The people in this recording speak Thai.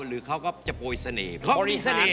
หรือเขาก็จะโปยเสน่ห์